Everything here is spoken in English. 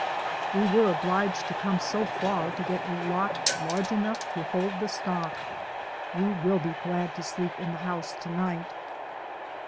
We were obliged to come so far to get a lot large enough to hold the stock. We will be glad to sleep in the house to night.